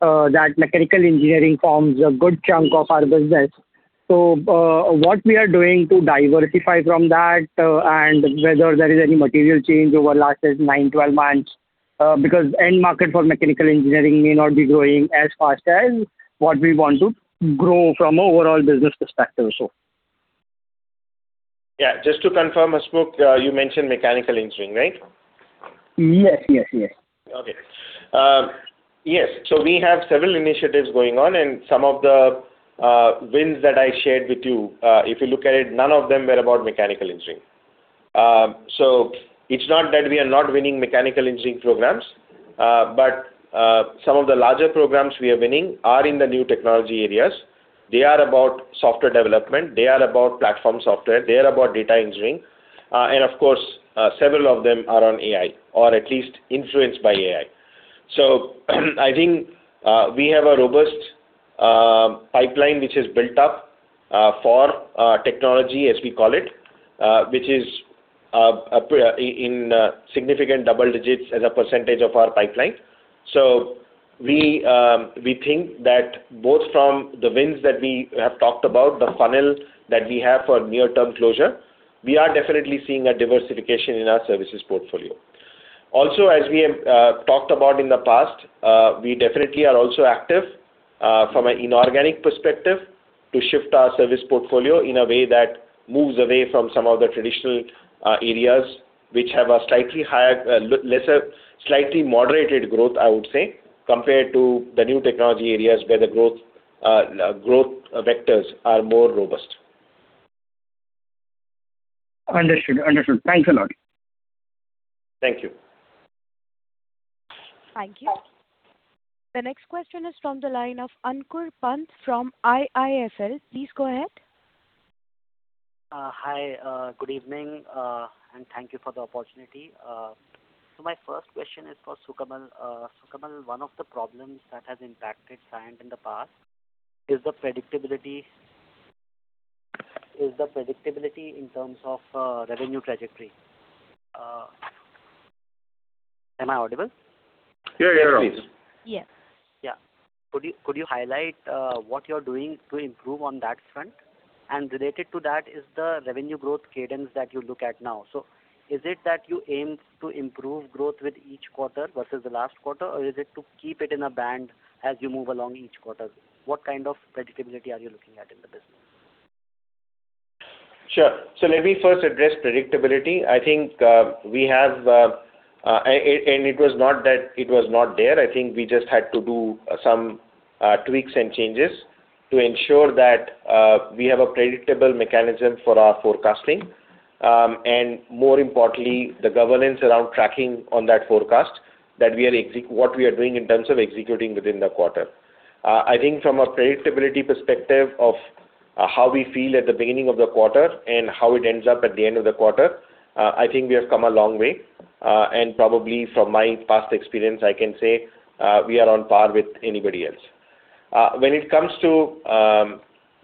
that mechanical engineering forms a good chunk of our business. So what we are doing to diversify from that and whether there is any material change over the last nine, 12 months because end market for mechanical engineering may not be growing as fast as what we want to grow from an overall business perspective, so?
Yeah. Just to confirm, Hasmukh, you mentioned mechanical engineering, right?
Yes. Yes. Yes.
Okay. Yes. So we have several initiatives going on, and some of the wins that I shared with you, if you look at it, none of them were about mechanical engineering. So it's not that we are not winning mechanical engineering programs, but some of the larger programs we are winning are in the new technology areas. They are about software development. They are about platform software. They are about data engineering. And of course, several of them are on AI or at least influenced by AI. So I think we have a robust pipeline which is built up for technology, as we call it, which is in significant double digits as a percentage of our pipeline. So we think that both from the wins that we have talked about, the funnel that we have for near-term closure, we are definitely seeing a diversification in our services portfolio. Also, as we have talked about in the past, we definitely are also active from an inorganic perspective to shift our service portfolio in a way that moves away from some of the traditional areas which have a slightly moderated growth, I would say, compared to the new technology areas where the growth vectors are more robust.
Understood. Understood. Thanks a lot.
Thank you.
Thank you. The next question is from the line of Ankur Pant from IIFL. Please go ahead.
Hi. Good evening, and thank you for the opportunity. So my first question is for Sukamal. Sukamal, one of the problems that has impacted Cyient in the past is the predictability in terms of revenue trajectory. Am I audible?
Yeah. You're audible.
Yes.
Yeah. Could you highlight what you're doing to improve on that front? And related to that is the revenue growth cadence that you look at now. So is it that you aim to improve growth with each quarter versus the last quarter, or is it to keep it in a band as you move along each quarter? What kind of predictability are you looking at in the business?
Sure. So let me first address predictability. I think we have, and it was not that it was not there. I think we just had to do some tweaks and changes to ensure that we have a predictable mechanism for our forecasting and, more importantly, the governance around tracking on that forecast, what we are doing in terms of executing within the quarter. I think from a predictability perspective of how we feel at the beginning of the quarter and how it ends up at the end of the quarter, I think we have come a long way, and probably from my past experience, I can say we are on par with anybody else. When it comes to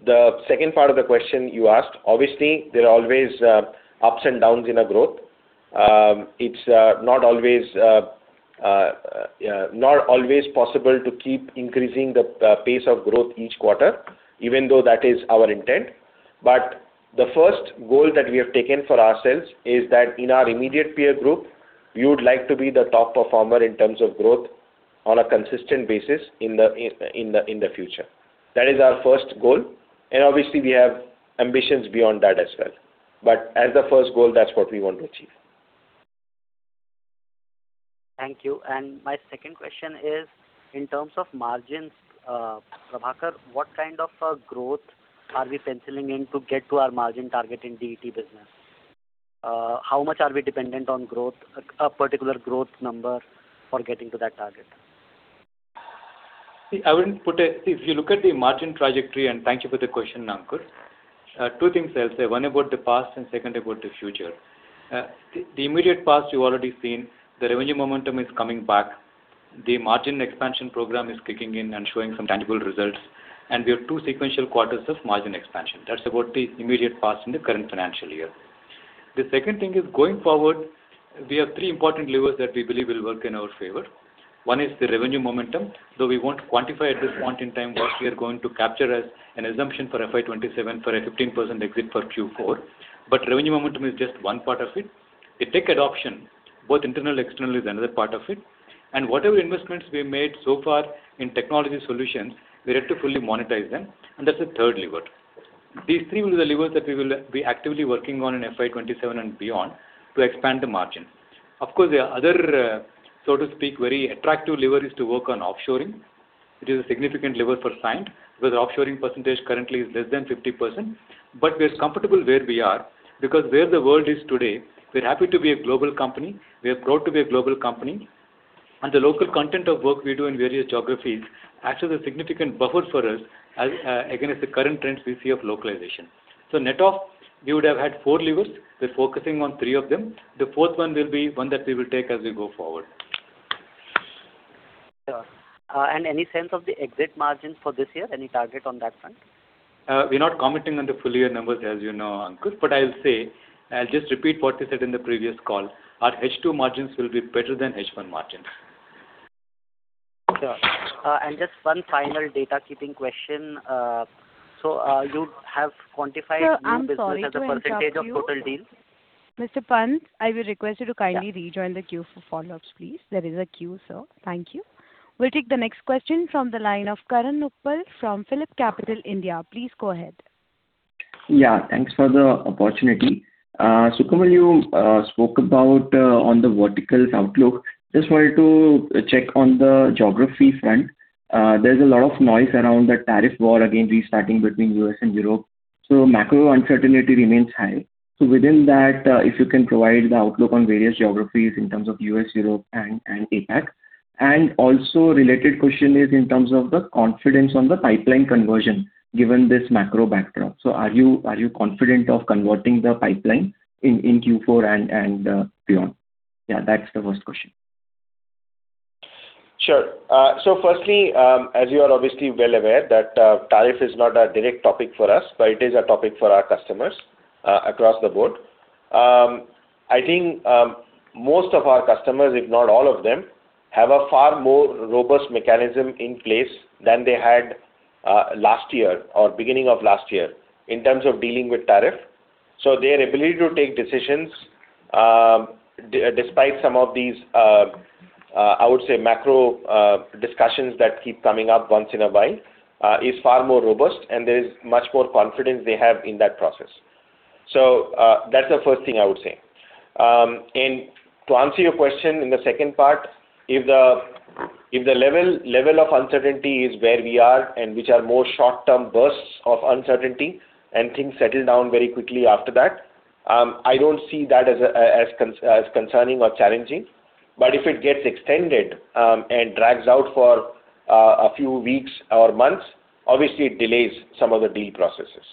the second part of the question you asked, obviously, there are always ups and downs in growth. It's not always possible to keep increasing the pace of growth each quarter, even though that is our intent. But the first goal that we have taken for ourselves is that in our immediate peer group, we would like to be the top performer in terms of growth on a consistent basis in the future. That is our first goal. And obviously, we have ambitions beyond that as well. But as the first goal, that's what we want to achieve.
Thank you. And my second question is, in terms of margins, Prabhakar, what kind of growth are we penciling in to get to our margin target in DET business? How much are we dependent on growth, a particular growth number for getting to that target?
I wouldn't put a number—if you look at the margin trajectory—and thank you for the question, Ankur. Two things I'll say. One about the past and second about the future. The immediate past, you've already seen the revenue momentum is coming back. The margin expansion program is kicking in and showing some tangible results. And we have two sequential quarters of margin expansion. That's about the immediate past in the current financial year. The second thing is going forward, we have three important levers that we believe will work in our favor. One is the revenue momentum, though we won't quantify at this point in time what we are going to capture as an assumption for FY 2027 for a 15% exit for Q4. But revenue momentum is just one part of it. The tech adoption, both internal and external, is another part of it. And whatever investments we made so far in technology solutions, we had to fully monetize them. And that's the third lever. These three will be the levers that we will be actively working on in FY 2027 and beyond to expand the margin. Of course, there are other, so to speak, very attractive levers to work on offshoring. It is a significant lever for Cyient because the offshoring percentage currently is less than 50%. But we are comfortable where we are because where the world is today, we're happy to be a global company. We are proud to be a global company. And the local content of work we do in various geographies acts as a significant buffer for us against the current trends we see of localization. So net off, we would have had four levers. We're focusing on three of them. The fourth one will be one that we will take as we go forward.
Sure. And any sense of the exit margin for this year? Any target on that front?
We're not commenting on the full year numbers, as you know, Ankur, but I'll say I'll just repeat what we said in the previous call. Our H2 margins will be better than H1 margins.
Sure. And just one final housekeeping question. So you have quantified your business as a percentage of total deals?
Mr. Pant, I will request you to kindly rejoin the queue for follow-ups, please. There is a queue, sir. Thank you. We'll take the next question from the line of Karan Uppal from PhillipCapital. Please go ahead.
Yeah. Thanks for the opportunity. Sukamal, you spoke about the vertical outlook. Just wanted to check on the geography front. There's a lot of noise around the tariff war again restarting between the U.S. and Europe. So macro uncertainty remains high. So within that, if you can provide the outlook on various geographies in terms of the U.S., Europe, and APAC. And also, a related question is in terms of the confidence on the pipeline conversion given this macro backdrop. So are you confident of converting the pipeline in Q4 and beyond? Yeah, that's the first question.
Sure. So firstly, as you are obviously well aware, that tariff is not a direct topic for us, but it is a topic for our customers across the board. I think most of our customers, if not all of them, have a far more robust mechanism in place than they had last year or beginning of last year in terms of dealing with tariff. So their ability to take decisions despite some of these, I would say, macro discussions that keep coming up once in a while is far more robust, and there is much more confidence they have in that process. So that's the first thing I would say. To answer your question in the second part, if the level of uncertainty is where we are and which are more short-term bursts of uncertainty and things settle down very quickly after that, I don't see that as concerning or challenging. But if it gets extended and drags out for a few weeks or months, obviously, it delays some of the deal processes.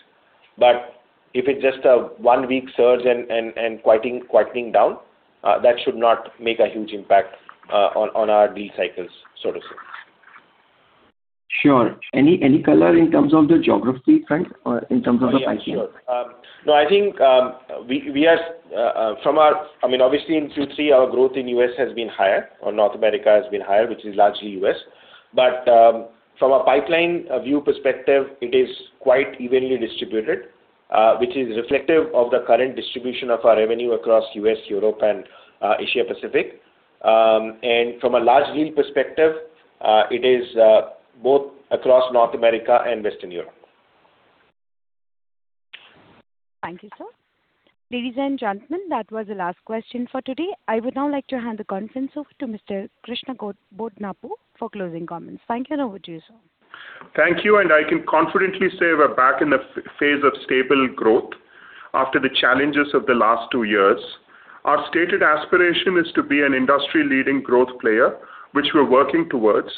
But if it's just a one-week surge and quieting down, that should not make a huge impact on our deal cycles, so to speak.
Sure. Any color in terms of the geography front or in terms of the pipeline?
Sure. No, I think, I mean, obviously, in Q3, our growth in the U.S. has been higher or North America has been higher, which is largely U.S. But from a pipeline view perspective, it is quite evenly distributed, which is reflective of the current distribution of our revenue across the U.S., Europe, and Asia-Pacific. And from a large deal perspective, it is both across North America and Western Europe.
Thank you, sir. Ladies and gentlemen, that was the last question for today. I would now like to hand the conference over to Mr. Krishna Bodanapu for closing comments. Thank you, and over to you, sir.
Thank you. And I can confidently say we're back in the phase of stable growth after the challenges of the last two years. Our stated aspiration is to be an industry-leading growth player, which we're working towards.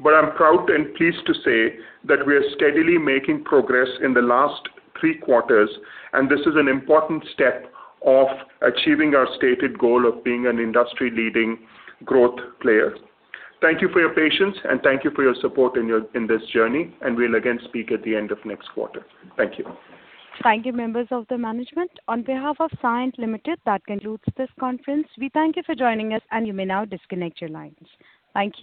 But I'm proud and pleased to say that we are steadily making progress in the last three quarters, and this is an important step of achieving our stated goal of being an industry-leading growth player. Thank you for your patience, and thank you for your support in this journey. And we'll again speak at the end of next quarter. Thank you.
Thank you, members of the management. On behalf of Cyient Limited, that concludes this conference. We thank you for joining us, and you may now disconnect your lines. Thank you.